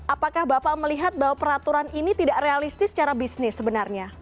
apakah bapak melihat bahwa peraturan ini tidak realistis secara bisnis sebenarnya